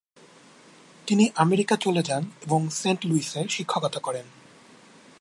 তিনি আমেরিকা চলে যান এবং সেন্ট লুইসে শিক্ষকতা করেন।